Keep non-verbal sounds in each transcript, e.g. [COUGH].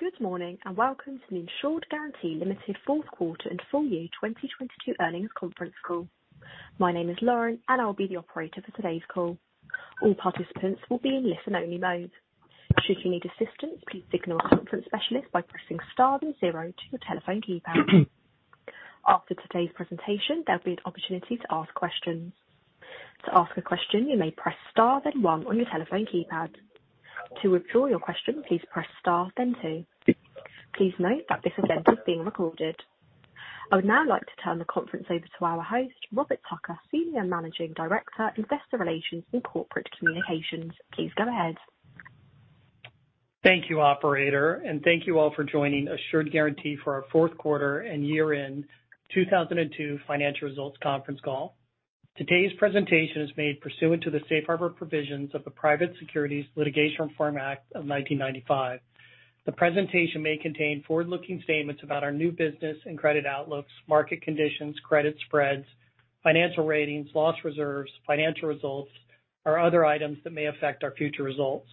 Good morning. Welcome to the Assured Guaranty Ltd. Fourth Quarter and Full Year 2022 Earnings Conference Call. My name is Lauren. I'll be the operator for today's call. All participants will be in listen-only mode. Should you need assistance, please signal a conference specialist by pressing star then zero to your telephone keypad. After today's presentation, there'll be an opportunity to ask questions. To ask a question, you may press star then one on your telephone keypad. To withdraw your question, please press star then two. Please note that this event is being recorded. I would now like to turn the conference over to our host, Robert Tucker, Senior Managing Director, Investor Relations and Corporate Communications. Please go ahead. Thank you, operator, and thank you all for joining Assured Guaranty for our fourth quarter and year-end 2002 financial results conference call. Today's presentation is made pursuant to the safe harbor provisions of the Private Securities Litigation Reform Act of 1995. The presentation may contain forward-looking statements about our new business and credit outlooks, market conditions, credit spreads, financial ratings, loss reserves, financial results, or other items that may affect our future results.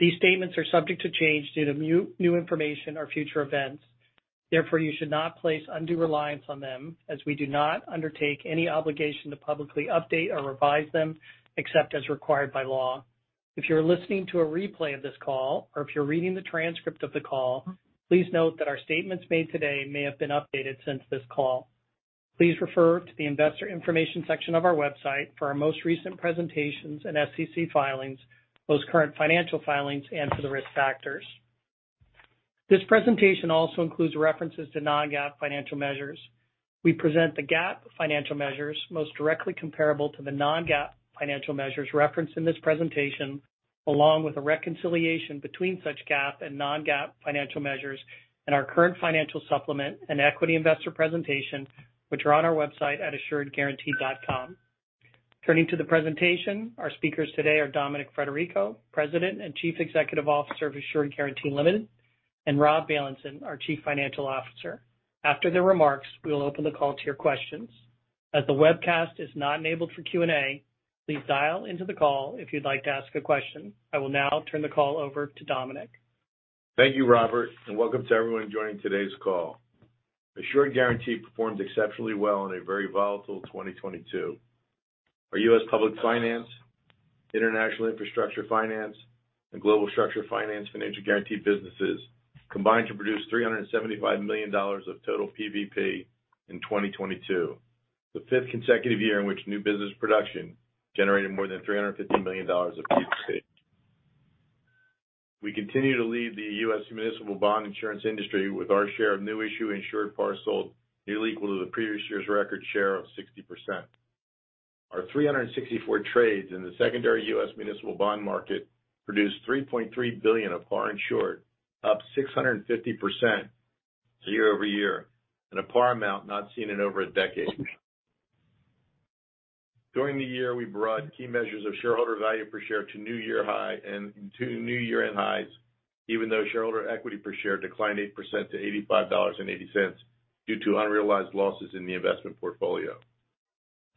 These statements are subject to change due to new information or future events. You should not place undue reliance on them as we do not undertake any obligation to publicly update or revise them except as required by law. If you're listening to a replay of this call or if you're reading the transcript of the call, please note that our statements made today may have been updated since this call. Please refer to the investor information section of our website for our most recent presentations and SEC filings, most current financial filings, and for the risk factors. This presentation also includes references to non-GAAP financial measures. We present the GAAP financial measures most directly comparable to the non-GAAP financial measures referenced in this presentation, along with a reconciliation between such GAAP and non-GAAP financial measures in our current financial supplement and equity investor presentation, which are on our website at assuredguaranty.com. Turning to the presentation, our speakers today are Dominic Frederico, President and Chief Executive Officer of Assured Guaranty Ltd., and Rob Bailenson, our Chief Financial Officer. After their remarks, we will open the call to your questions. As the webcast is not enabled for Q&A, please dial into the call if you'd like to ask a question. I will now turn the call over to Dominic. Thank you, Robert, and welcome to everyone joining today's call. Assured Guaranty performed exceptionally well in a very volatile 2022. Our U.S. public finance, international infrastructure finance, and global structured finance financial guarantee businesses combined to produce $375 million of total PVP in 2022. The fifth consecutive year in which new business production generated more than $350 million of PVP. We continue to lead the U.S. municipal bond insurance industry with our share of new issue insured par sold nearly equal to the previous year's record share of 60%. Our 364 trades in the secondary U.S. municipal bond market produced $3.3 billion of par insured, up 650% year-over-year, and a par amount not seen in over a decade. During the year, we brought key measures of shareholder value per share to new year high and to new year-end highs, even though shareholder equity per share declined 8% to $85.80 due to unrealized losses in the investment portfolio.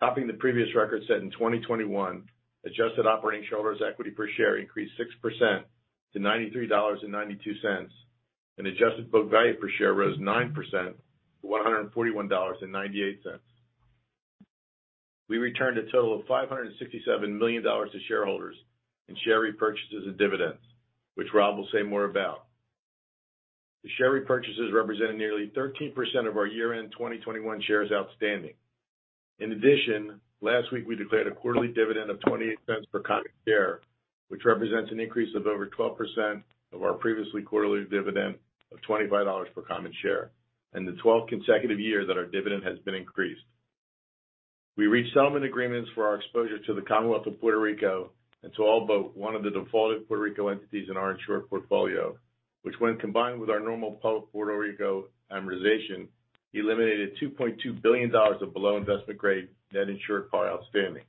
Topping the previous record set in 2021, adjusted operating shareholders' equity per share increased 6% to $93.92, and adjusted book value per share rose 9% to $141.98. We returned a total of $567 million to shareholders in share repurchases and dividends, which Rob will say more about. The share repurchases represented nearly 13% of our year-end 2021 shares outstanding. In addition, last week, we declared a quarterly dividend of $0.28 per common share, which represents an increase of over 12% of our previously quarterly dividend of $25 per common share. The 12th consecutive year that our dividend has been increased. We reached settlement agreements for our exposure to the Commonwealth of Puerto Rico and to all but one of the defaulted Puerto Rico entities in our insured portfolio, which when combined with our normal Puerto Rico amortization, eliminated $2.2 billion of below-investment grade debt insured par outstanding.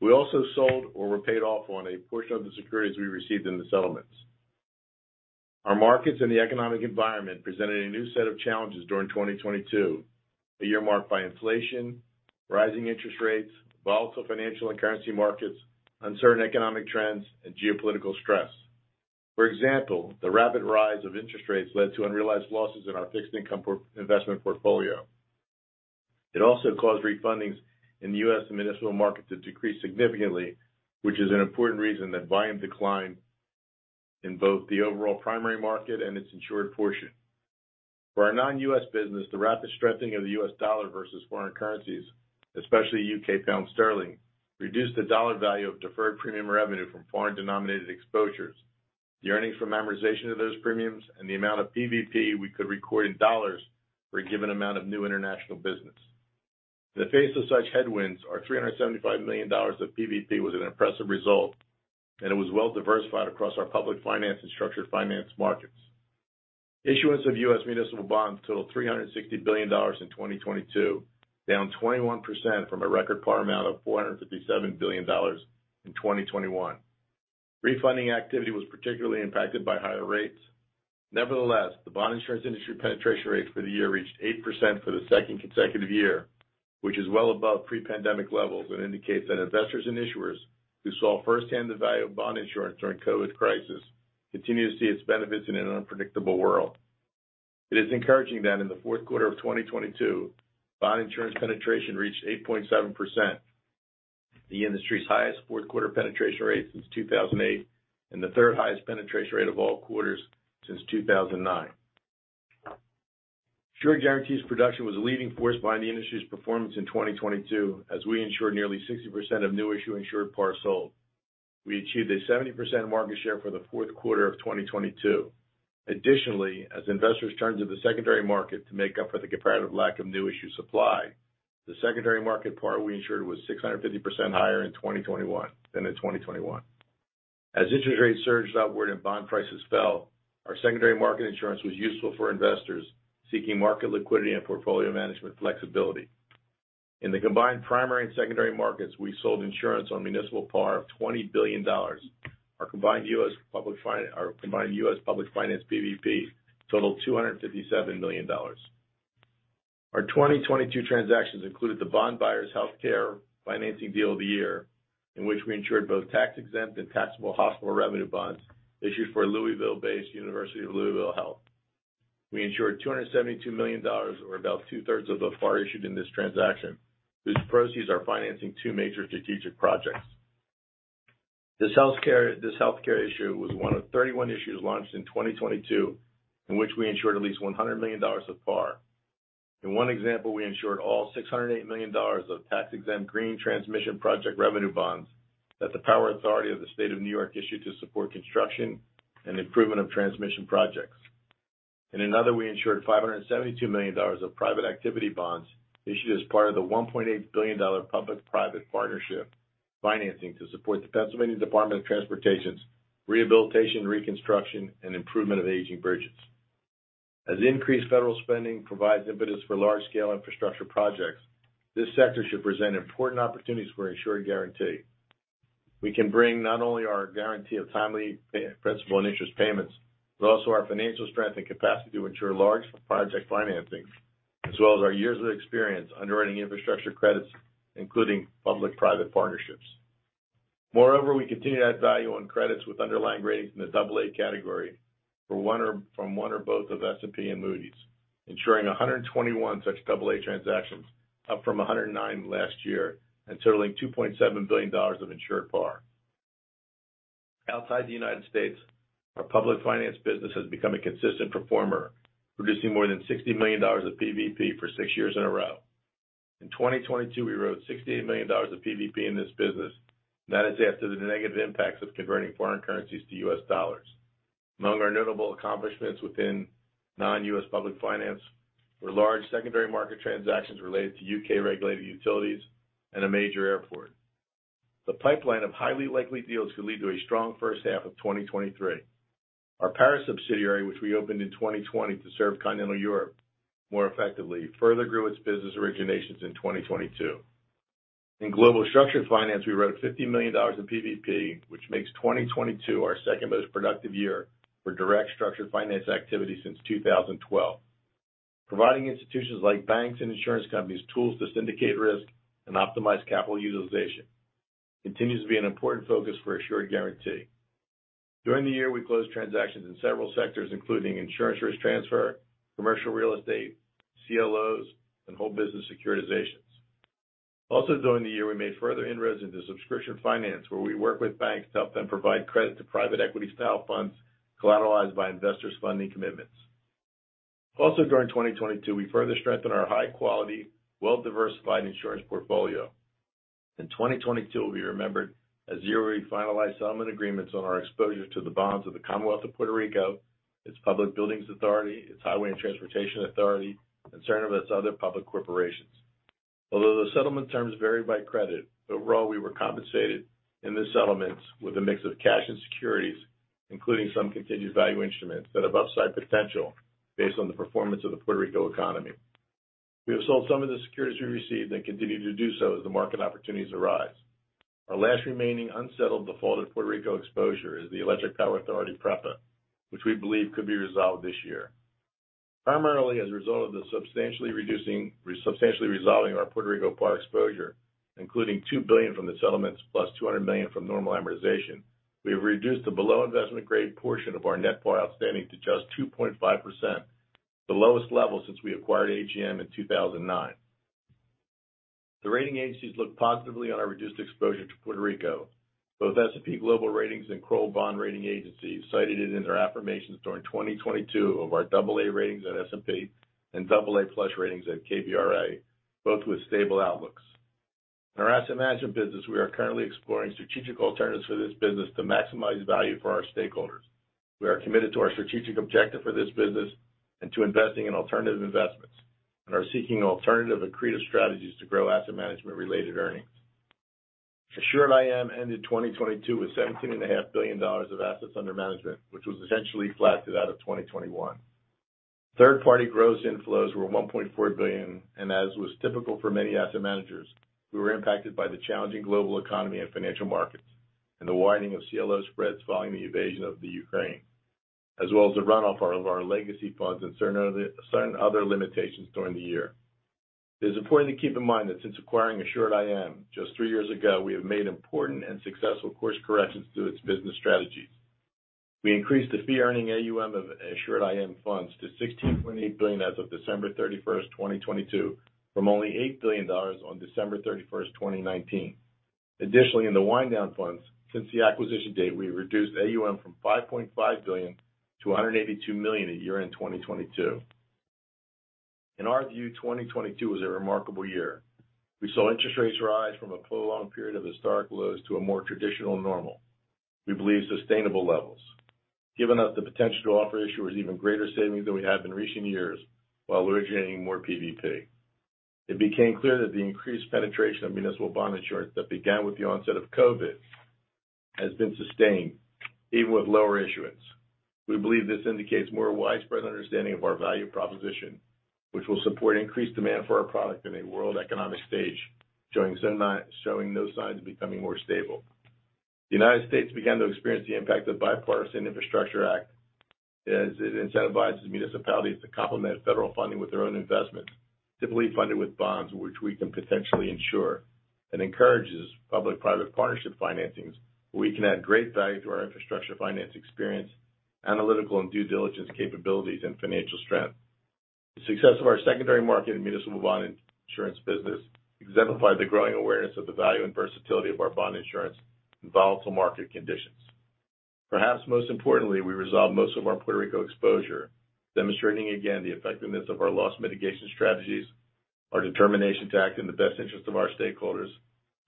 We also sold or were paid off on a portion of the securities we received in the settlements. Our markets and the economic environment presented a new set of challenges during 2022, a year marked by inflation, rising interest rates, volatile financial and currency markets, uncertain economic trends, and geopolitical stress. For example, the rapid rise of interest rates led to unrealized losses in our fixed income investment portfolio. It also caused refundings in the U.S. municipal market to decrease significantly, which is an important reason that volume declined in both the overall primary market and its insured portion. For our non-U.S. business, the rapid strengthening of the U.S. dollar versus foreign currencies, especially U.K. pound sterling, reduced the dollar value of deferred premium revenue from foreign-denominated exposures, the earnings from amortization of those premiums, and the amount of PVP we could record in dollars for a given amount of new international business. In the face of such headwinds, our $375 million of PVP was an impressive result, and it was well diversified across our public finance and structured finance markets. Issuance of U.S. municipal bonds totalled $360 billion in 2022, down 21% from a record par amount of $457 billion in 2021. Refunding activity was particularly impacted by higher rates. Nevertheless, the bond insurance industry penetration rates for the year reached 8% for the second consecutive year, which is well above pre-pandemic levels and indicates that investors and issuers who saw firsthand the value of bond insurance during COVID crisis continue to see its benefits in an unpredictable world. It is encouraging that in the fourth quarter of 2022, bond insurance penetration reached 8.7%, the industry's highest fourth quarter penetration rate since 2008, and the third highest penetration rate of all quarters since 2009. Assured Guaranty's production was a leading force behind the industry's performance in 2022 as we insured nearly 60% of new issuing insured par sold. We achieved a 70% market share for the fourth quarter of 2022. Additionally, as investors turn to the secondary market to make up for the comparative lack of new issue supply, the secondary market par we insured was 650% higher in 2021 than in 2021. As interest rates surged outward and bond prices fell, our secondary market insurance was useful for investors seeking market liquidity and portfolio management flexibility. In the combined primary and secondary markets, we sold insurance on municipal par of $20 billion. Our combined U.S. Public finance PVP totaled $257 million. Our 2022 transactions included the bond buyers healthcare financing deal of the year, in which we insured both tax-exempt and taxable hospital revenue bonds issued for Louisville-based University of Louisville Health. We insured $272 million, or about two-thirds of the par issued in this transaction, whose proceeds are financing two major strategic projects. This healthcare issue was one of 31 issues launched in 2022, in which we insured at least $100 million of par. In one example, we insured all $608 million of tax-exempt Green Transmission Project Revenue Bonds that the Power Authority of the State of New York issued to support construction and improvement of transmission projects. In another, we insured $572 million of private activity bonds issued as part of the $1.8 billion public-private partnership financing to support the Pennsylvania Department of Transportation's rehabilitation, reconstruction, and improvement of aging bridges. As increased federal spending provides impetus for large-scale infrastructure projects, this sector should present important opportunities for Assured Guaranty. We can bring not only our guarantee of timely principal and interest payments, but also our financial strength and capacity to insure large project financing, as well as our years of experience underwriting infrastructure credits, including public-private partnerships. Moreover, we continue to add value on credits with underlying ratings in the AA category for one or, from one or both of S&P and Moody's, ensuring 121 such AA transactions, up from 109 last year, and totaling $2.7 billion of insured par. Outside the United States, our public finance business has become a consistent performer, producing more than $60 million of PVP for six years in a row. In 2022, we wrote $68 million of PVP in this business. That is after the negative impacts of converting foreign currencies to U.S. dollars. Among our notable accomplishments within non-U.S. public finance were large secondary market transactions related to U.K.-regulated utilities and a major airport. The pipeline of highly likely deals could lead to a strong first half of 2023. Our Paris subsidiary, which we opened in 2020 to serve Continental Europe more effectively, further grew its business originations in 2022. In global structured finance, we wrote $50 million in PVP, which makes 2022 our second most productive year for direct structured finance activity since 2012. Providing institutions like banks and insurance companies tools to syndicate risk and optimize capital utilization continues to be an important focus for Assured Guaranty. During the year, we closed transactions in several sectors, including insurance risk transfer, commercial real estate, CLOs, and whole business securitizations. Also during the year, we made further inroads into subscription finance, where we work with banks to help them provide credit to private equity style funds collateralized by investors' funding commitments. Also during 2022, we further strengthened our high-quality, well-diversified insurance portfolio. In 2022 will be remembered as the year we finalized settlement agreements on our exposure to the bonds of the Commonwealth of Puerto Rico, its Public Buildings Authority, its Highway and Transportation Authority, and certain of its other public corporations. Although the settlement terms vary by credit, overall, we were compensated in the settlements with a mix of cash and securities, including some contingent value instruments that have upside potential based on the performance of the Puerto Rico economy. We have sold some of the securities we received and continue to do so as the market opportunities arise. Our last remaining unsettled defaulted Puerto Rico exposure is the Electric Power Authority, PREPA, which we believe could be resolved this year. Primarily as a result of substantially resolving our Puerto Rico par exposure, including $2 billion from the settlements plus $200 million from normal amortization, we have reduced the below investment grade portion of our net par outstanding to just 2.5%, the lowest level since we acquired AGM in 2009. The rating agencies looked positively on our reduced exposure to Puerto Rico. Both S&P Global Ratings and Kroll Bond Rating Agency cited it in their affirmations during 2022 of our AA ratings at S&P and AA+ ratings at KBRA, both with stable outlooks. In our asset management business, we are currently exploring strategic alternatives for this business to maximize value for our stakeholders. We are committed to our strategic objective for this business and to investing in alternative investments, and are seeking alternative and creative strategies to grow asset management-related earnings. Assured IM ended 2022 with seventeen and a half billion dollars of assets under management, which was essentially flat to that of 2021. Third-party gross inflows were $1.4 billion, and as was typical for many asset managers, we were impacted by the challenging global economy and financial markets and the widening of CLO spreads following the invasion of Ukraine. As well as the run-off of our legacy funds and certain other limitations during the year. It is important to keep in mind that since acquiring Assured IM just three years ago, we have made important and successful course corrections to its business strategies. We increased the fee-earning AUM of Assured IM funds to $16.8 billion as of 31 December, 2022, from only $8 billion on 31 December, 2019. In the wind-down funds, since the acquisition date, we reduced AUM from $5.5 billion to $182 million at year-end 2022. In our view, 2022 was a remarkable year. We saw interest rates rise from a prolonged period of historic lows to a more traditional normal. We believe sustainable levels. Given us the potential to offer issuers even greater savings than we have in recent years while originating more PVP. It became clear that the increased penetration of municipal bond insurance that began with the onset of COVID has been sustained even with lower issuance. We believe this indicates more widespread understanding of our value proposition, which will support increased demand for our product in a world economic stage showing no signs of becoming more stable. The United States began to experience the impact of Bipartisan Infrastructure Law as it incentivizes municipalities to complement federal funding with their own investments, typically funded with bonds which we can potentially insure, and encourages public-private partnership financings where we can add great value to our infrastructure finance experience, analytical and due diligence capabilities, and financial strength. The success of our secondary market in municipal bond insurance business exemplified the growing awareness of the value and versatility of our bond insurance in volatile market conditions. Perhaps most importantly, we resolved most of our Puerto Rico exposure, demonstrating again the effectiveness of our loss mitigation strategies, our determination to act in the best interest of our stakeholders,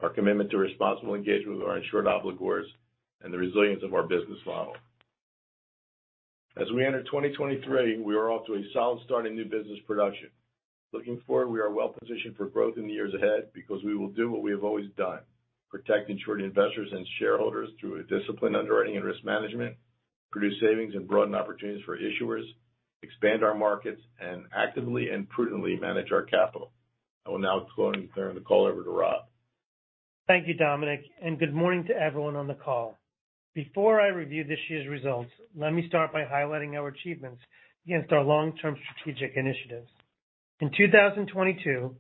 our commitment to responsible engagement with our insured obligors, and the resilience of our business model. As we enter 2023, we are off to a solid start in new business production. Looking forward, we are well positioned for growth in the years ahead because we will do what we have always done, protect insured investors and shareholders through a disciplined underwriting and risk management, produce savings and broaden opportunities for issuers, expand our markets, and actively and prudently manage our capital. I will now go and turn the call over to Rob. Thank you, Dominic, and good morning to everyone on the call. Before I review this year's results, let me start by highlighting our achievements against our long-term strategic initiatives. In 2022,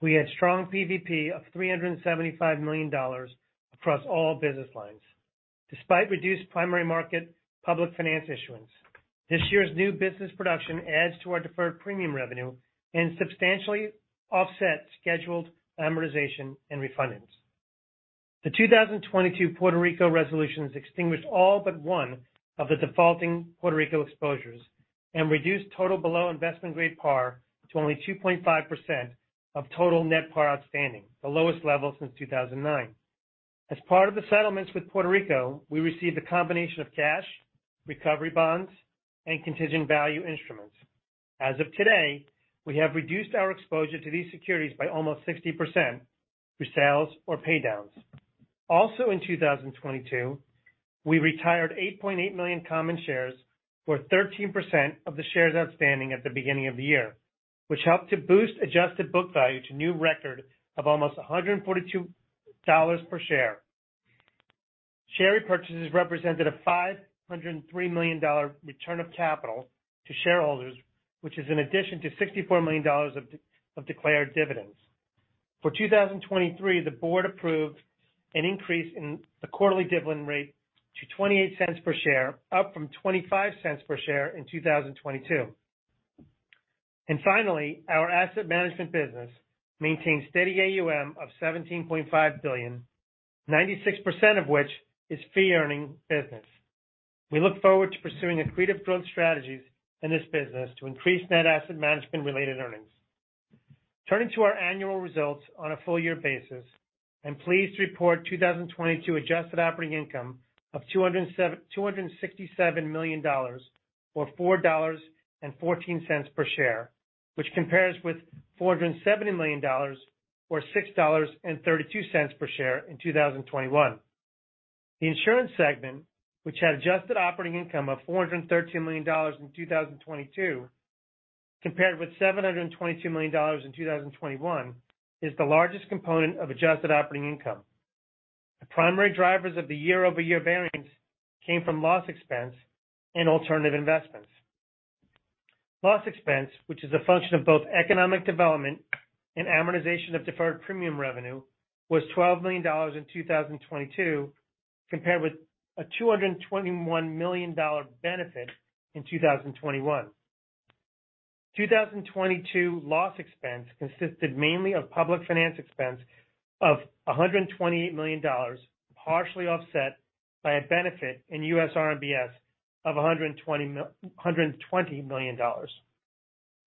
we had strong PVP of $375 million across all business lines, despite reduced primary market public finance issuance. This year's new business production adds to our deferred premium revenue and substantially offset scheduled amortization and refunds. The 2022 Puerto Rico resolutions extinguished all but one of the defaulting Puerto Rico exposures and reduced total below investment-grade par to only 2.5% of total net par outstanding, the lowest level since 2009. As part of the settlements with Puerto Rico, we received a combination of cash, recovery bonds, and contingent value instruments. As of today, we have reduced our exposure to these securities by almost 60% through sales or pay downs. In 2022, we retired 8.8 million common shares, or 13% of the shares outstanding at the beginning of the year, which helped to boost adjusted book value to new record of almost $142 per share. Share repurchases represented a $503 million return of capital to shareholders, which is in addition to $64 million of declared dividends. For 2023, the board approved an increase in the quarterly dividend rate to $0.28 per share, up from $0.25 per share in 2022. Finally, our asset management business maintained steady AUM of $17.5 billion, 96% of which is fee-earning business. We look forward to pursuing accretive growth strategies in this business to increase net asset management-related earnings. Turning to our annual results on a full year basis, I'm pleased to report 2022 adjusted operating income of $267 million, or $4.14 per share, which compares with $470 million or $6.32 per share in 2021. The insurance segment, which had adjusted operating income of $413 million in 2022, compared with $722 million in 2021, is the largest component of adjusted operating income. The primary drivers of the year-over-year variance came from loss expense and alternative investments. Loss expense, which is a function of both economic development and amortization of deferred premium revenue, was $12 million in 2022, compared with a $221 million benefit in 2021. 2022 loss expense consisted mainly of public finance expense of $128 million, partially offset by a benefit in U.S. RMBS of $120 million.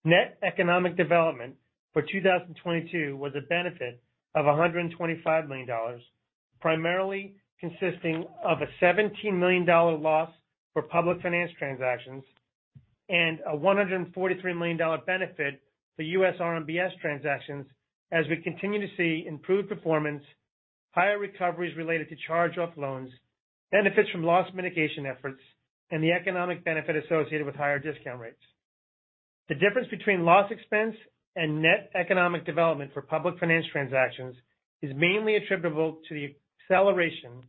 Net economic development for 2022 was a benefit of $125 million, primarily consisting of a $17 million loss for public finance transactions and a $143 million benefit for U.S. RMBS transactions as we continue to see improved performance, higher recoveries related to charged-off loans, benefits from loss mitigation efforts, and the economic benefit associated with higher discount rates. The difference between loss expense and net economic development for public finance transactions is mainly attributable to the acceleration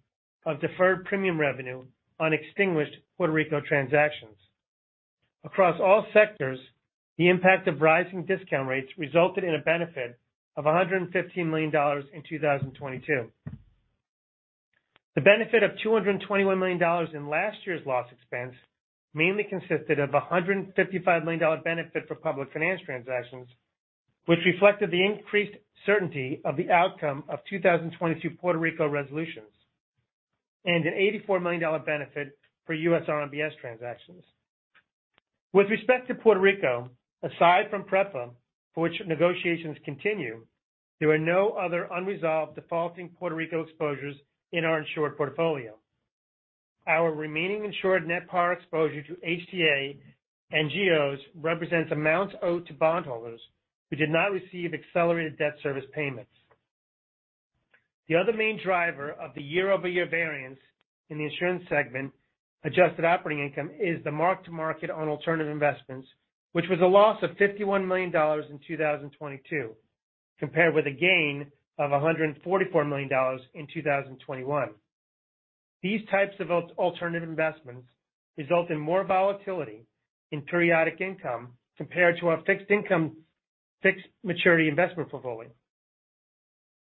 of deferred premium revenue on extinguished Puerto Rico transactions. Across all sectors, the impact of rising discount rates resulted in a benefit of $115 million in 2022. The benefit of $221 million in last year's loss expense mainly consisted of a $155 million benefit for public finance transactions, which reflected the increased certainty of the outcome of 2022 Puerto Rico resolutions, and an $84 million benefit for U.S. RMBS transactions. With respect to Puerto Rico, aside from PREPA, for which negotiations continue, there were no other unresolved defaulting Puerto Rico exposures in our insured portfolio. Our remaining insured net par exposure to HTA and GOs represents amounts owed to bondholders who did not receive accelerated debt service payments. The other main driver of the year-over-year variance in the insurance segment adjusted operating income is the mark-to-market on alternative investments, which was a loss of $51 million in 2022, compared with a gain of $144 million in 2021. These types of alternative investments result in more volatility in periodic income compared to our fixed income, fixed maturity investment portfolio.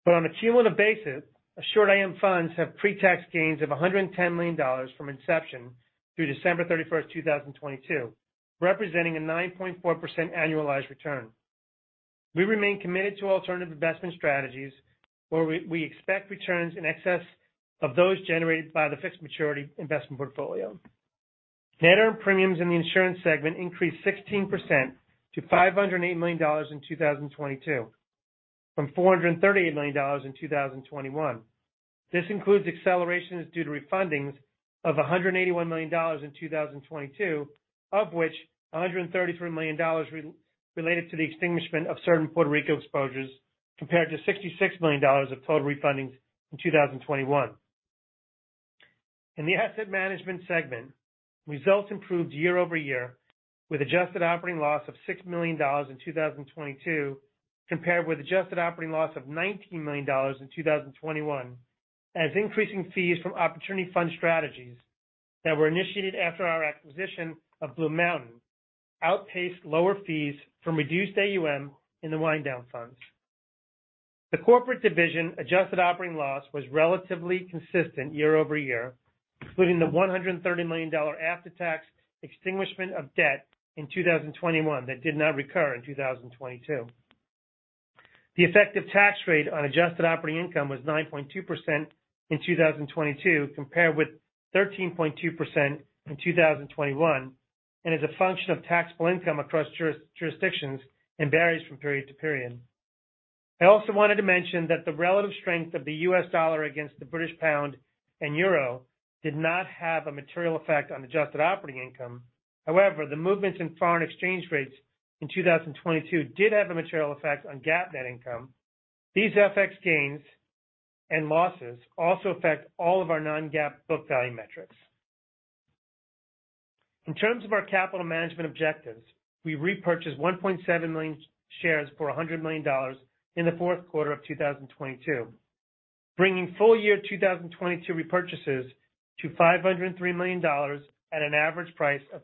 On a cumulative basis, Assured AM funds have pre-tax gains of $110 million from inception through 31 December, 2022, representing a 9.4% annualized return. We remain committed to alternative investment strategies where we expect returns in excess of those generated by the fixed maturity investment portfolio. Net earned premiums in the insurance segment increased 16% to $508 million in 2022, from $438 million in 2021. This includes accelerations due to refundings of $181 million in 2022, of which $133 million related to the extinguishment of certain Puerto Rico exposures, compared to $66 million of total refundings in 2021. In the asset management segment, results improved year-over-year with adjusted operating loss of $6 million in 2022, compared with adjusted operating loss of $19 million in 2021 as increasing fees from opportunity fund strategies that were initiated after our acquisition of BlueMountain outpaced lower fees from reduced AUM in the wind down funds. The corporate division adjusted operating loss was relatively consistent year-over-year, excluding the $130 million after-tax extinguishment of debt in 2021 that did not recur in 2022. The effective tax rate on adjusted operating income was 9.2% in 2022, compared with 13.2% in 2021, and is a function of taxable income across jurisdictions and varies from period to period. I also wanted to mention that the relative strength of the U.S. dollar against the British pound and euro did not have a material effect on adjusted operating income. However, the movements in foreign exchange rates in 2022 did have a material effect on GAAP net income. These FX gains and losses also affect all of our non-GAAP book value metrics. In terms of our capital management objectives, we repurchased 1.7 million shares for $100 million in the fourth quarter of 2022, bringing full year 2022 repurchases to $503 million at an average price of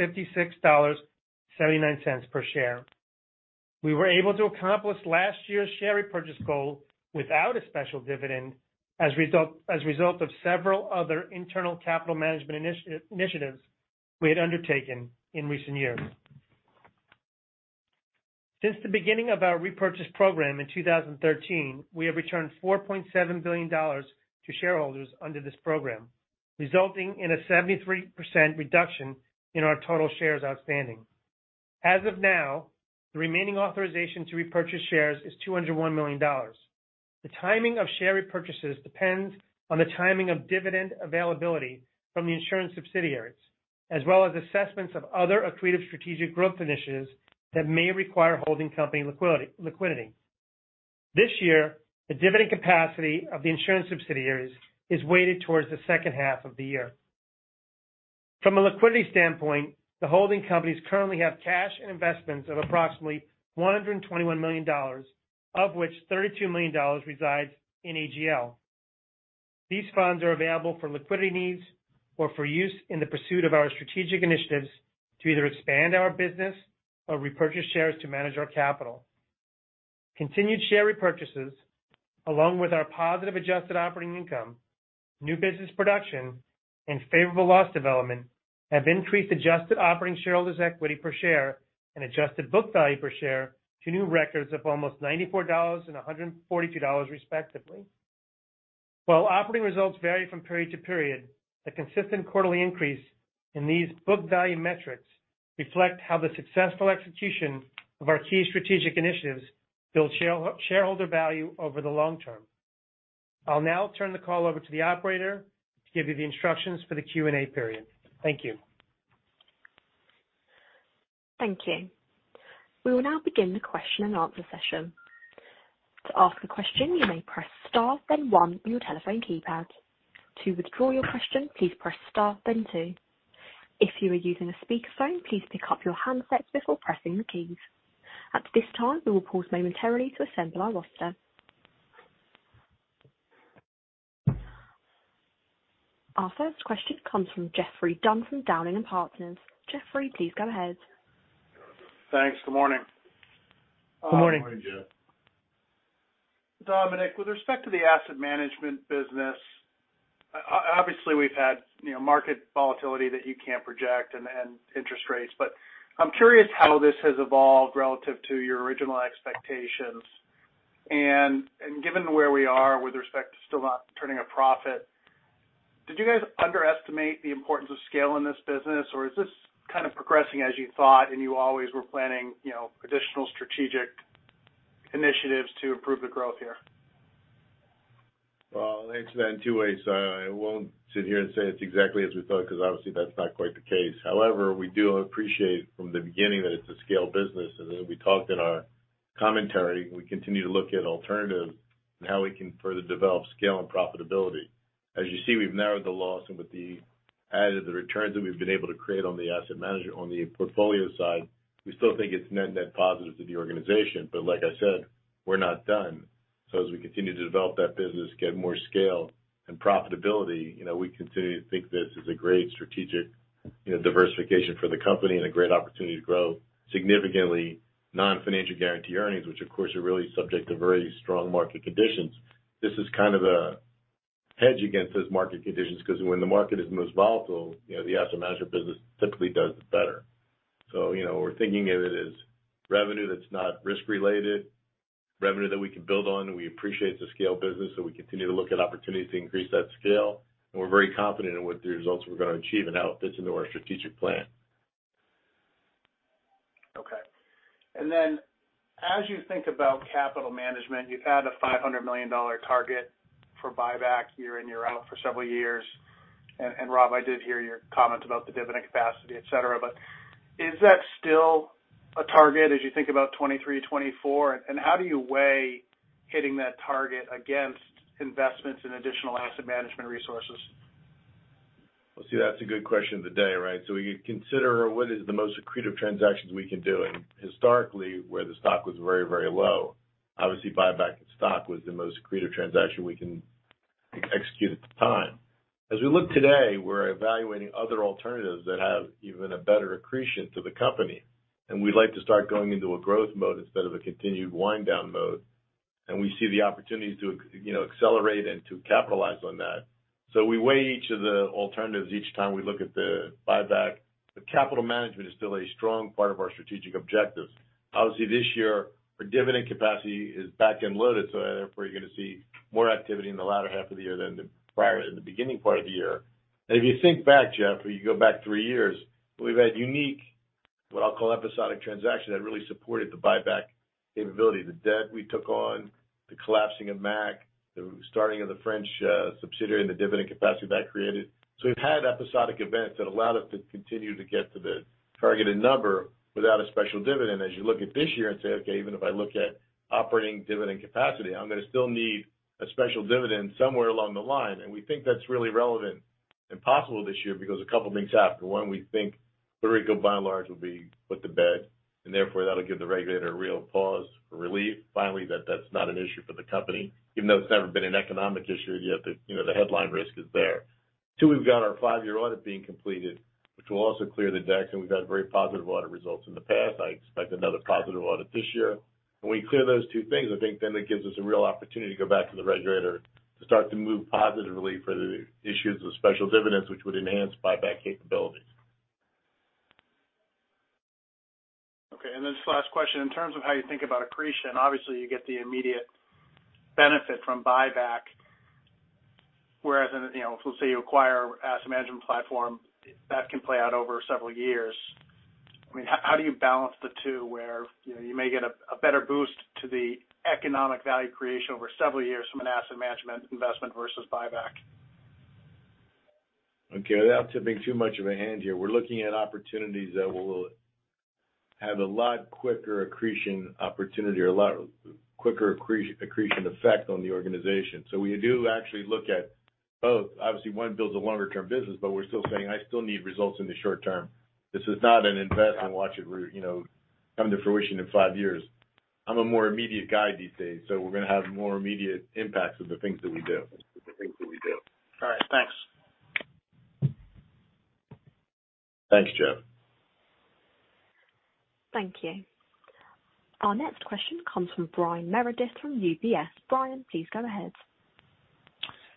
$56.79 per share. We were able to accomplish last year's share repurchase goal without a special dividend as a result of several other internal capital management initiatives we had undertaken in recent years. Since the beginning of our repurchase program in 2013, we have returned $4.7 billion to shareholders under this program, resulting in a 73% reduction in our total shares outstanding. As of now, the remaining authorization to repurchase shares is $201 million. The timing of share repurchases depends on the timing of dividend availability from the insurance subsidiaries, as well as assessments of other accretive strategic growth initiatives that may require holding company liquidity. This year, the dividend capacity of the insurance subsidiaries is weighted towards the second half of the year. From a liquidity standpoint, the holding companies currently have cash and investments of approximately $121 million, of which $32 million resides in AGL. These funds are available for liquidity needs or for use in the pursuit of our strategic initiatives to either expand our business or repurchase shares to manage our capital. Continued share repurchases, along with our positive adjusted operating income, new business production, and favorable loss development, have increased adjusted operating shareholders' equity per share and adjusted book value per share to new records of almost $94 and $142, respectively. While operating results vary from period to period, the consistent quarterly increase in these book value metrics reflect how the successful execution of our key strategic initiatives build shareholder value over the long term. I'll now turn the call over to the operator to give you the instructions for the Q&A period. Thank you. Thank you. We will now begin the question and answer session. To ask a question, you may press star then one on your telephone keypad. To withdraw your question, please press star then two. If you are using a speakerphone, please pick up your handset before pressing the keys. At this time, we will pause momentarily to assemble our roster. Our first question comes from Geoffrey Dunn from Dowling & Partners. Geoffrey, please go ahead. Thanks. Good morning. Good morning. Good morning, Geoff. Dominic, with respect to the asset management business, obviously we've had, you know, market volatility that you can't project and interest rates. I'm curious how this has evolved relative to your original expectations. Given where we are with respect to still not turning a profit, did you guys underestimate the importance of scale in this business, or is this kind of progressing as you thought and you always were planning, you know, additional strategic initiatives to improve the growth here? I'll answer that in two ways. I won't sit here and say it's exactly as we thought because obviously that's not quite the case. We do appreciate from the beginning that it's a scale business, and as we talked in our commentary, we continue to look at alternatives and how we can further develop scale and profitability. As you see, we've narrowed the loss and with the returns that we've been able to create on the asset manager on the portfolio side, we still think it's net positive to the organization. Like I said, we're not done. As we continue to develop that business, get more scale and profitability, you know, we continue to think this is a great strategic, you know, diversification for the company and a great opportunity to grow significantly non-financial guaranty earnings, which of course are really subject to very strong market conditions. This is kind of a hedge against those market conditions because when the market is most volatile, you know, the asset management business typically does better. We're thinking of it as revenue that's not risk related, revenue that we can build on, and we appreciate it's a scale business, so we continue to look at opportunities to increase that scale. We're very confident in what the results we're going to achieve and how it fits into our strategic plan. Okay. As you think about capital management, you've had a $500 million target for buyback year in, year out for several years. Rob, I did hear your comment about the dividend capacity, et cetera. Is that still a target as you think about 2023, 2024? How do you weigh hitting that target against investments in additional asset management resources? Well, see, that's a good question of the day, right? We consider what is the most accretive transactions we can do. Historically, where the stock was very, very low, obviously buyback of stock was the most accretive transaction we can execute at the time. As we look today, we're evaluating other alternatives that have even a better accretion to the company, and we'd like to start going into a growth mode instead of a continued wind down mode. We see the opportunities to, you know, accelerate and to capitalize on that. We weigh each of the alternatives each time we look at the buyback. The capital management is still a strong part of our strategic objectives. Obviously, this year, our dividend capacity is backed and loaded, so therefore, you're going to see more activity in the latter half of the year than the prior in the beginning part of the year. If you think back, Geoff, or you go back three years, we've had unique, what I'll call episodic transaction that really supported the buyback capability. The debt we took on, the collapsing of MAC, the starting of the French subsidiary and the dividend capacity that created. We've had episodic events that allowed us to continue to get to the targeted number without a special dividend. As you look at this year and say, okay, even if I look at operating dividend capacity, I'm going to still need a special dividend somewhere along the line. We think that's really relevant and possible this year because a couple of things happened. For one, we think Puerto Rico by and large will be put to bed, and therefore that'll give the regulator a real pause for relief. Finally, that's not an issue for the company, even though it's never been an economic issue, yet, you know, the headline risk is there. Two, we've got our five-year audit being completed, which will also clear the decks, and we've had very positive audit results in the past. I expect another positive audit this year. When we clear those two things, I think then it gives us a real opportunity to go back to the regulator to start to move positively for the issues of special dividends, which would enhance buyback capabilities. Okay. Just last question. In terms of how you think about accretion, obviously you get the immediate benefit from buyback, whereas, you know, let's say you acquire asset management platform that can play out over several years. How do you balance the two where, you know, you may get a better boost to the economic value creation over several years from an asset management investment versus buyback? Without tipping too much of a hand here, we're looking at opportunities that will have a lot quicker accretion opportunity or a lot quicker accretion effect on the organization. We do actually look at both. Obviously, one builds a longer-term business, but we're still saying I still need results in the short term. This is not an invest and watch it root, you know, come to fruition in five years. I'm a more immediate guy these days, so we're going to have more immediate impacts of the things that we do. All right. Thanks. Thanks, Geoff. Thank you. Our next question comes from Brian Meredith from UBS. Brian, please go ahead.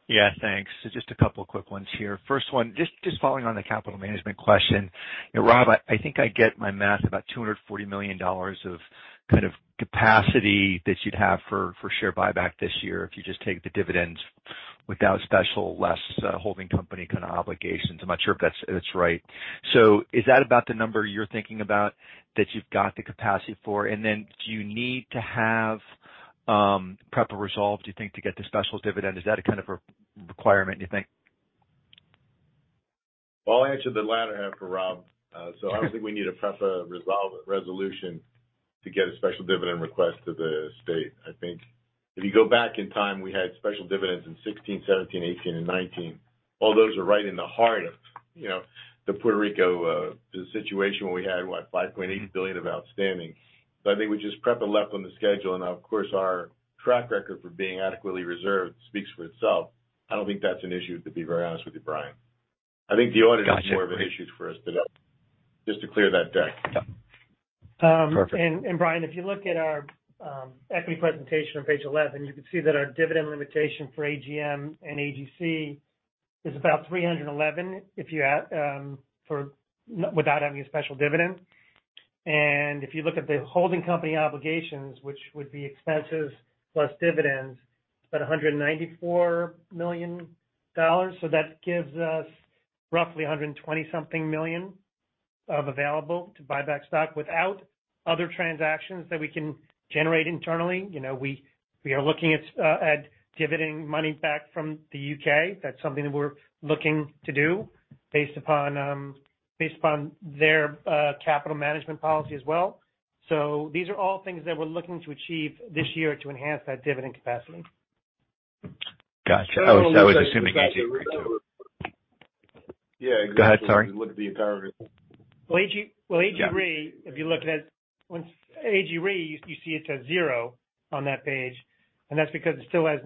Yeah, thanks. Just a couple quick ones here. First one, just following on the capital management question. Rob, I think I get my math about $240 million of kind of capacity that you'd have for share buyback this year if you just take the dividends without special less holding company kind of obligations. I'm not sure if that's right. Is that about the number you're thinking about that you've got the capacity for? Do you need to have prep resolved, do you think, to get the special dividend? Is that a kind of a requirement, do you think? Well, I'll answer the latter half for Rob. Obviously we need a PREPA resolution to get a special dividend request to the state. I think if you go back in time, we had special dividends in 2016, 2017, 2018 and 2019. All those are right in the heart of, you know, the Puerto Rico situation where we had, what, $5.8 billion of outstanding. I think we just PREPA left on the schedule and of course, our track record for being adequately reserved speaks for itself. I don't think that's an issue, to be very honest with you, Brian. I think the audit is more of an issue for us than that. Just to clear that deck. Yeah. Perfect. Brian, if you look at our equity presentation on page 11, you can see that our dividend limitation for AGM and AGC is about 311. Without having a special dividend. If you look at the holding company obligations, which would be expenses plus dividends, it's about $194 million. That gives us roughly $120 something million of available to buy back stock without other transactions that we can generate internally. You know, we are looking at dividending money back from the U.K. That's something that we're looking to do based upon based upon their capital management policy as well. These are all things that we're looking to achieve this year to enhance that dividend capacity. Gotcha. I was assuming AG Re rate too. Yeah, exactly. Go ahead, sorry. Look at the entire Re. Well, AG Re, if you look at it, once AG Re, you see it says zero on that page, and that's because it still has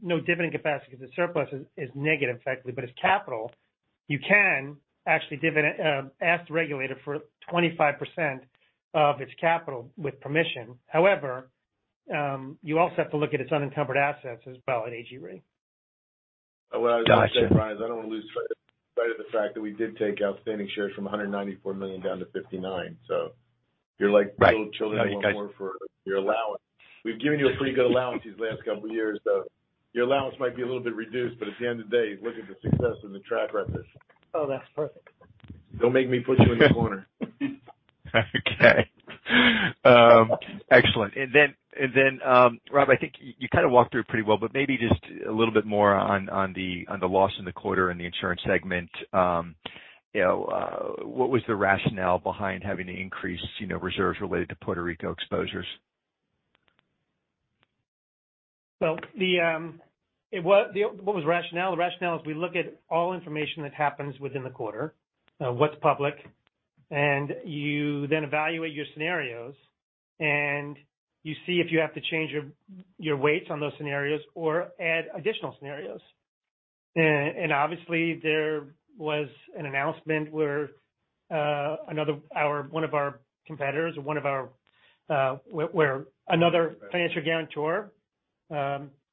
no dividend capacity because the surplus is negative, effectively, but it's capital. You can actually ask the regulator for 25% of its capital with permission. However, you also have to look at its unencumbered assets as well at AG Re. Gotcha. What I was gonna say, Brian, I don't want to lose sight of the fact that we did take outstanding shares from 194 million down to 59. You're like. Right. A little children no more for your allowance. We've given you a pretty good allowance these last couple of years, so your allowance might be a little bit reduced. At the end of the day, look at the success and the track record. Oh, that's perfect. Don't make me put you in the corner. Okay. excellent. Rob, I think you kind of walked through it pretty well, but maybe just a little bit more on the loss in the quarter in the insurance segment. you know, what was the rationale behind having to increase, you know, reserves related to Puerto Rico exposures? What was rationale? The rationale is we look at all information that happens within the quarter, what's public, and you then evaluate your scenarios, and you see if you have to change your weights on those scenarios or add additional scenarios. Obviously, there was an announcement where one of our competitors or another financial guarantor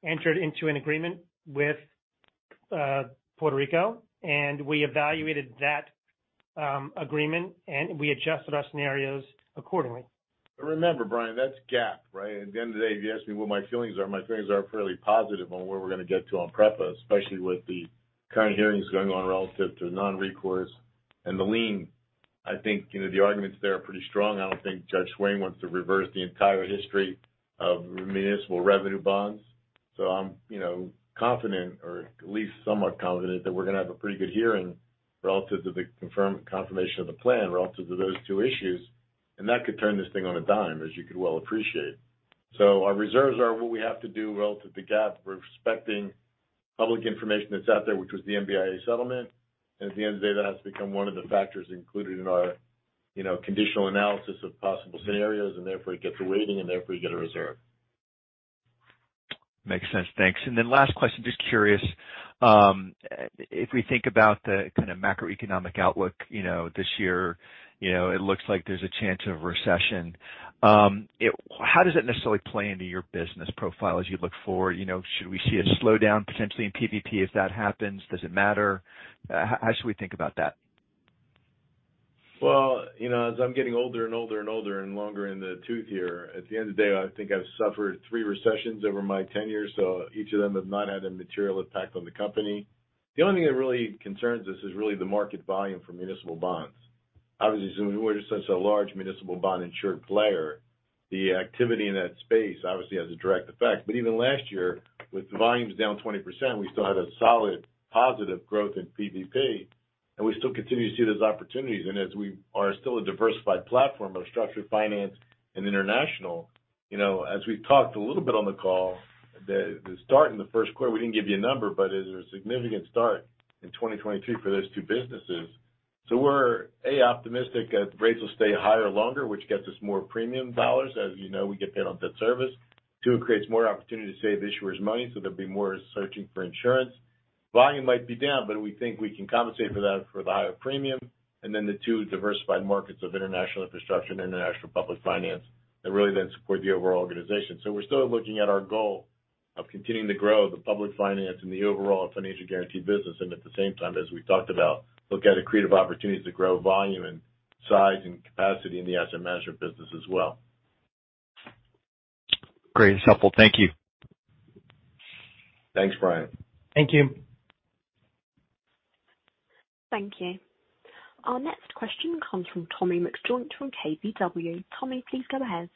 entered into an agreement with Puerto Rico, and we evaluated that agreement, and we adjusted our scenarios accordingly. Remember, Brian, that's GAAP, right? At the end of the day, if you ask me what my feelings are, my feelings are fairly positive on where we're going to get to on PREPA, especially with the current hearings going on relative to non-recourse and the lien. I think, you know, the arguments there are pretty strong. I don't think Judge Swain wants to reverse the entire history of municipal revenue bonds. I'm, you know, confident or at least somewhat confident that we're going to have a pretty good hearing relative to the confirmation of the plan, relative to those two issues. That could turn this thing on a dime, as you could well appreciate. Our reserves are what we have to do relative to GAAP. We're respecting public information that's out there, which was the MBIA settlement. At the end of the day, that has to become one of the factors included in our, you know, conditional analysis of possible scenarios, and therefore it gets a rating, and therefore you get a reserve. Makes sense. Thanks. Last question, just curious. If we think about the kind of macroeconomic outlook, you know, this year, you know, it looks like there's a chance of recession. How does it necessarily play into your business profile as you look forward? You know, should we see a slowdown potentially in PVP if that happens? Does it matter? How should we think about that? Well, you know, as I'm getting older and older and older and longer in the tooth here, at the end of the day, I think I've suffered three recessions over my tenure, so each of them have not had a material impact on the company. The only thing that really concerns us is really the market volume for municipal bonds. Obviously, since we're such a large municipal bond insured player, the activity in that space obviously has a direct effect. But even last year, with volumes down 20%, we still had a solid positive growth in PVP, and we still continue to see those opportunities. As we are still a diversified platform of structured finance and international, you know, as we've talked a little bit on the call, the start in the first quarter, we didn't give you a number, but it was a significant start in 2022 for those two businesses. We're, A, optimistic that rates will stay higher longer, which gets us more premium dollars. As you know, we get paid on debt service. Two, it creates more opportunity to save issuers money, so there'll be more searching for insurance. Volume might be down, but we think we can compensate for that for the higher premium. The two diversified markets of international infrastructure and international public finance that really then support the overall organization. We're still looking at our goal of continuing to grow the public finance and the overall financial guarantee business. At the same time, as we've talked about, look at accretive opportunities to grow volume and size and capacity in the asset management business as well. Great. It's helpful. Thank you. Thanks, Brian. Thank you. Thank you. Our next question comes from Tommy McJoynt from KBW. Tommy, please go ahead.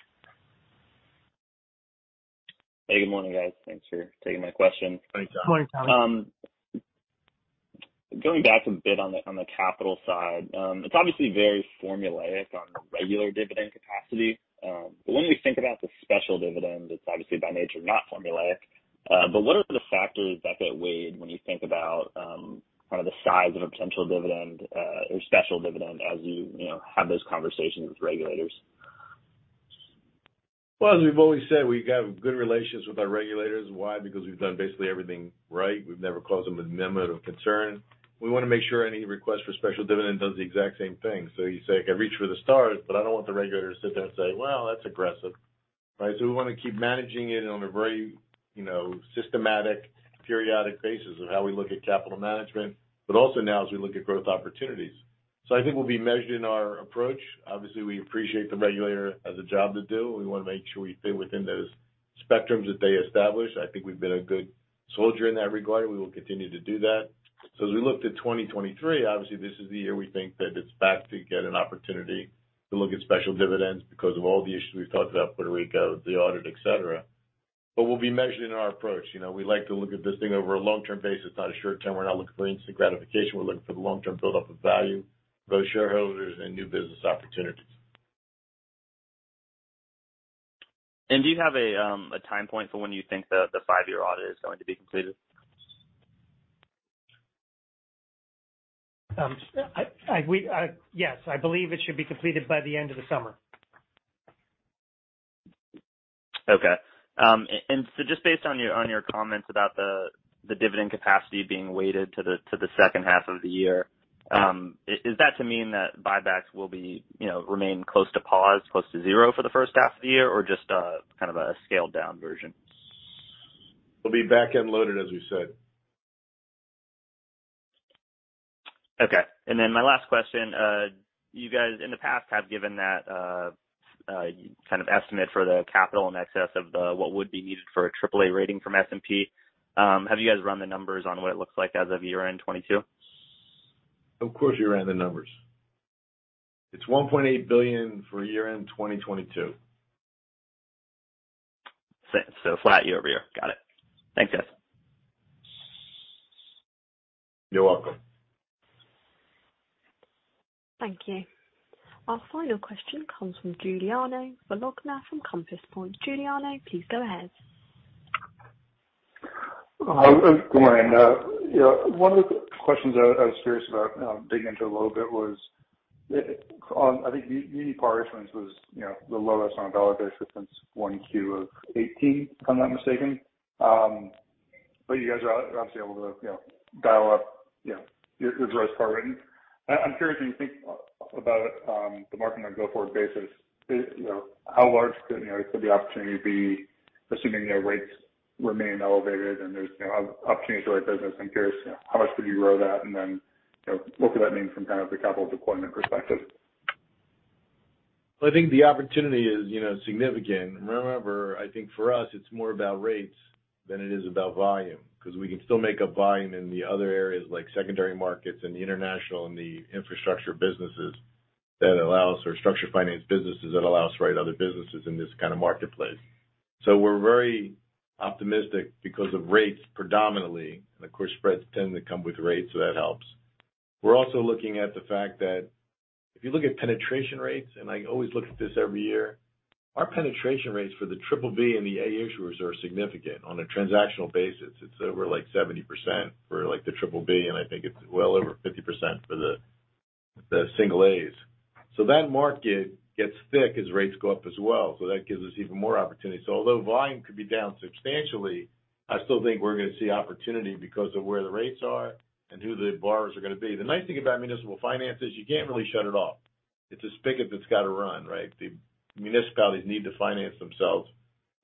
Hey, good morning, guys. Thanks for taking my question. Thanks, Tommy. Good morning, Tommy. Going back a bit on the capital side. It's obviously very formulaic on a regular dividend capacity. When we think about the special dividend, it's obviously by nature not formulaic. What are the factors that get weighed when you think about, kind of the size of a potential dividend, or special dividend as you know, have those conversations with regulators? As we've always said, we have good relations with our regulators. Why? Because we've done basically everything right. We've never caused them a moment of concern. We wanna make sure any request for special dividend does the exact same thing. You say, I reach for the stars, but I don't want the regulators to sit there and say, "Well, that's aggressive." Right? We wanna keep managing it on a very, you know, systematic, periodic basis of how we look at capital management, but also now as we look at growth opportunities. I think we'll be measuring our approach. Obviously, we appreciate the regulator has a job to do. We wanna make sure we fit within those spectrums that they establish. I think we've been a good soldier in that regard, and we will continue to do that. As we look to 2023, obviously, this is the year we think that it's back to get an opportunity to look at special dividends because of all the issues we've talked about, Puerto Rico, the audit, et cetera. We'll be measuring our approach. You know, we like to look at this thing over a long-term basis, not a short-term. We're not looking for instant gratification. We're looking for the long-term build-up of value for those shareholders and new business opportunities. Do you have a time point for when you think the five-year audit is going to be completed? Yes, I believe it should be completed by the end of the summer. Okay. Just based on your comments about the dividend capacity being weighted to the second half of the year. Is that to mean that buybacks will be, you know, remain close to pause, close to zero for the first half of the year, or just a, kind of a scaled-down version? We'll be back end loaded, as we said. Okay. My last question. You guys, in the past, have given that kind of estimate for the capital in excess of what would be needed for a AAA rating from S&P. Have you guys run the numbers on what it looks like as of year-end 2022? Of course, we ran the numbers. It's $1.8 billion for year-end 2022. So flat year-over-year. Got it. Thanks, guys. You're welcome. Thank you. Our final question comes from Giuliano Bologna from Compass Point. Giuliano, please go ahead. Good morning. You know, one of the questions I was curious about, digging into a little bit was, on, I think muni par issuance was, you know, the lowest on [AUDIO DISTORTION] shipments since 1Q of 2018, if I'm not mistaken. You guys are obviously able to, you know, dial up, you know, your growth part rating. I'm curious, when you think about, the market on a go-forward basis, you know, how large can, you know, could the opportunity be assuming, you know, rates remain elevated and there's, you know, opportunities to write business? I'm curious, you know, how much could you grow that? What could that mean from kind of the capital deployment perspective? I think the opportunity is, you know, significant. Remember, I think for us, it's more about rates than it is about volume. 'Cause we can still make up volume in the other areas like secondary markets and the international and the infrastructure businesses that allow us or structure finance businesses that allow us to write other businesses in this kind of marketplace. We're very optimistic because of rates predominantly, and of course, spreads tend to come with rates, so that helps. We're also looking at the fact that if you look at penetration rates, and I always look at this every year, our penetration rates for the BBB and the A issuers are significant on a transactional basis. It's over, like, 70% for, like, the BBB, and I think it's well over 50% for the A. That market gets thick as rates go up as well. That gives us even more opportunity. Although volume could be down substantially, I still think we're gonna see opportunity because of where the rates are and who the borrowers are gonna be. The nice thing about municipal finance is you can't really shut it off. It's a spigot that's gotta run, right? The municipalities need to finance themselves,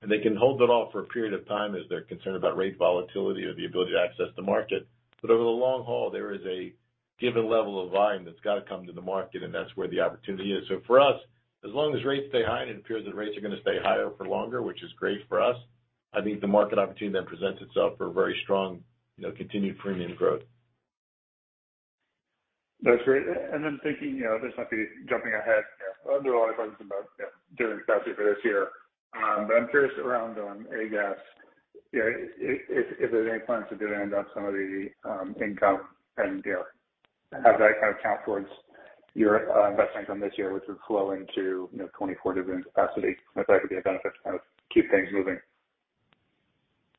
and they can hold it off for a period of time as they're concerned about rate volatility or the ability to access the market. Over the long haul, there is a given level of volume that's gotta come to the market, and that's where the opportunity is. For us, as long as rates stay high, and it appears that rates are gonna stay higher for longer, which is great for us, I think the market opportunity then presents itself for very strong, you know, continued premium growth. That's great. Thinking, you know, this might be jumping ahead. You know, there are a lot of questions about, you know, dividend capacity for this year. I'm curious around on AGUS, you know, if there's any plans to dividend out some of the income pending deal. How does that kind of count towards your investments on this year, which would flow into, you know, 2024 dividend capacity? If that could be a benefit to kind of keep things moving.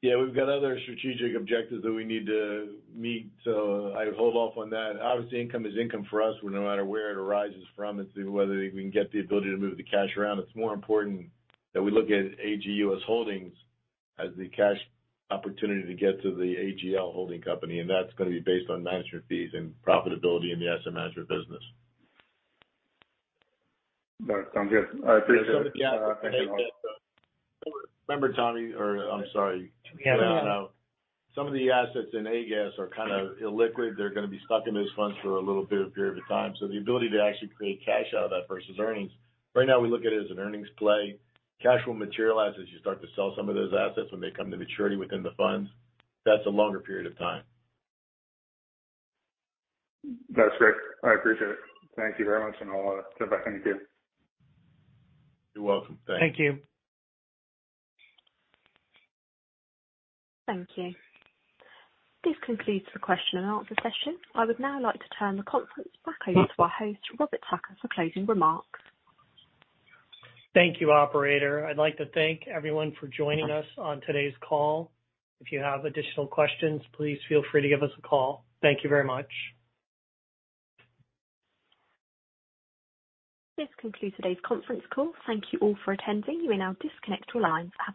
Yeah. We've got other strategic objectives that we need to meet. I would hold off on that. Obviously, income is income for us, no matter where it arises from. It's whether we can get the ability to move the cash around. It's more important that we look at AGUS holdings as the cash opportunity to get to the AGL holding company. That's gonna be based on management fees and profitability in the asset management business. That sounds good. I appreciate it. Yeah. Thank you. Remember, Tommy. I'm sorry. Guiliano. Some of the assets in AGUS are kind of illiquid. They're going to be stuck in those funds for a little bit of a period of time. The ability to actually create cash out of that versus earnings. Right now, we look at it as an earnings play. Cash will materialize as you start to sell some of those assets when they come to maturity within the funds. That's a longer period of time. That's great. I appreciate it. Thank you very much, and I'll come back to you. You're welcome. Thanks. Thank you. Thank you. This concludes the question and answer session. I would now like to turn the conference back over to our host, Robert Tucker, for closing remarks. Thank you, operator. I'd like to thank everyone for joining us on today's call. If you have additional questions, please feel free to give us a call. Thank you very much. This concludes today's conference call. Thank you all for attending. You may now disconnect your lines. Have a.